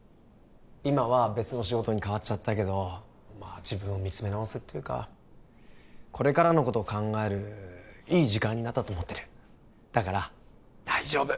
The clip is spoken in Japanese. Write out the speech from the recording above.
今は別の仕事にかわっちゃったけどまあ自分を見つめ直すっていうかこれからのことを考えるいい時間になったと思ってるだから大丈夫！